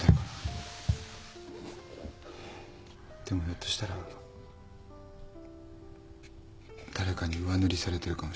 でもひょっとしたら誰かに上塗りされてるかもしれない。